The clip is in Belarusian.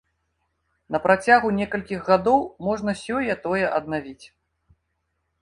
На працягу некалькіх гадоў можна сёе-тое аднавіць.